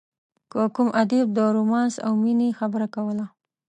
که کوم ادیب د رومانس او مینې خبره کوله.